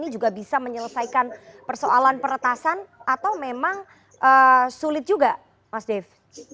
ini juga bisa menyelesaikan persoalan peretasan atau memang sulit juga mas dev